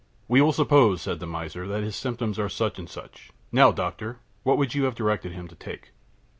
"'We will suppose,' said the miser, 'that his symptoms are such and such; now, doctor, what would you have directed him to take?'